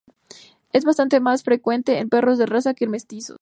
Es bastante más frecuente en perros de raza que en mestizos.